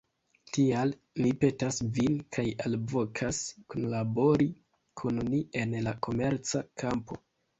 Tial, ni petas vin kaj alvokas, kunlabori kun ni en la komerca kampo.